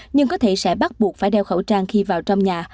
nhưng có thể sẽ bắt buộc phải đeo khẩu trang khi vào trong nhà